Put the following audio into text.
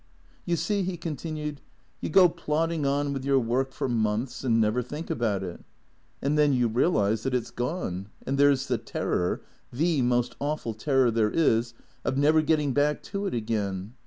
" You see," he continued, " you go plodding on with your work for months and never think about it; and then you realize that it 's gone, and there 's the terror — ithe most awful terror there is — of never getting back to it again.